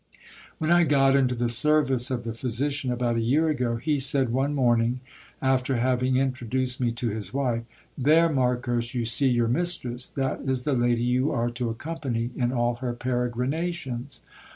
When I got into the service of the physician, about a year ago, he said one morning, after having introduced me to his wife : There, Marcos, you see your mistress ; that is the lady you are to accompany in all her peregrinations.